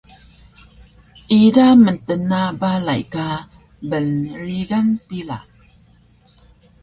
ida mtna balay ka bnrigan pila